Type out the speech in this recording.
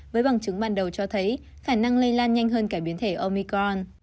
với bằng chứng ban đầu cho thấy khả năng lây lan nhanh hơn cả biến thể omicron